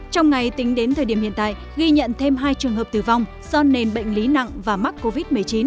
trong ngày tính đến thời điểm hiện tại ghi nhận thêm hai trường hợp tử vong do nền bệnh lý nặng và mắc covid một mươi chín